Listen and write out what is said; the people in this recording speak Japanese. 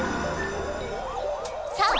さあ！